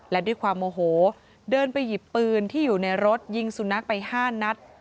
และด้วยความโมโหเดินไปหยิบปืนที่อยู่ในรถยิงสุนัขไป๕นัด